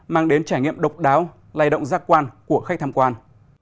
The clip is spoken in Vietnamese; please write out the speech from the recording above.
mang đến trải nghiệm độc đáo lai động giác quan của khách tham quan